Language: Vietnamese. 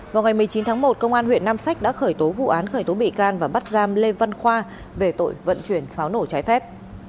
vào ngày một mươi chín tháng một công an huyện nam sách đã khởi tố vụ án khởi tố bị can và bắt giam lê văn khoa về tội vận chuyển pháo nổ trái phép